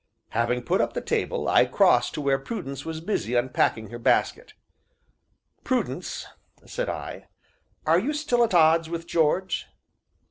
Having put up the table, I crossed to where Prudence was busy unpacking her basket. "Prudence," said I, "are you still at odds with George?"